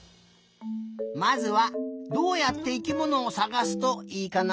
まずはどうやって生きものをさがすといいかな？